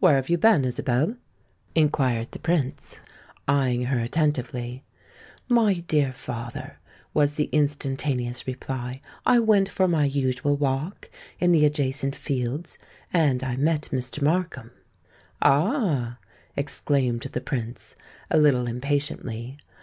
"Where have you been, Isabel?" inquired the Prince, eyeing her attentively. "My dear father," was the instantaneous reply, "I went for my usual walk in the adjacent fields, and I met Mr. Markham." "Ah!" exclaimed the Prince, a little impatiently.